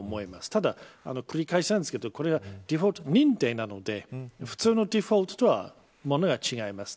ただ、繰り返しなんですがこれはデフォルト認定なので普通のデフォルトとは物が違います。